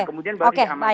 nah kemudian baru di amat